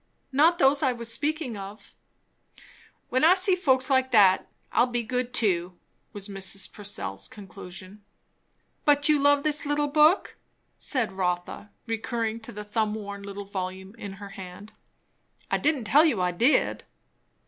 "Not those I was speaking of." "When I see folks like that, I'll be good too," was Mrs. Purcell's conclusion. "But you love this little book?" said Rotha, recurring to the thumb worn little volume in her hand. "I didn't tell you I did."